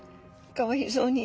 かわいそうに。